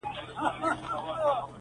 د هرات لرغونی ښار -